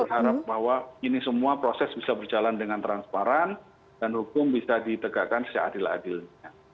kita berharap bahwa ini semua proses bisa berjalan dengan transparan dan hukum bisa ditegakkan seadil adilnya